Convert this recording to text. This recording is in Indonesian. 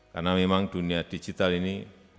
karena memang dunia digital ini